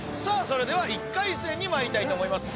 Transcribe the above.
それでは１回戦にまいりたいと思います